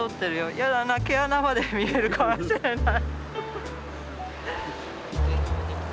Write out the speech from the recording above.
やだな毛穴まで見えるかもしれない。